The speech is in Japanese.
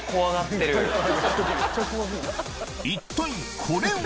一体これは？